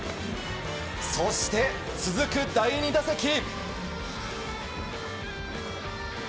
そして、続く第２打席。